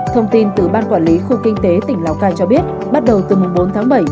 thông tin từ ban quản lý khu kinh tế tỉnh lào cai cho biết bắt đầu từ bốn tháng bảy